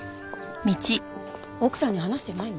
奥さんに話してないの？